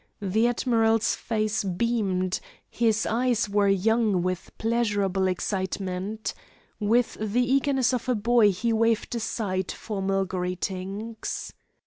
The admiral's face beamed, his eyes were young with pleasurable excitement; with the eagerness of a boy he waved aside formal greetings.